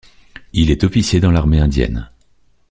Il est officier dans l'armée indienne.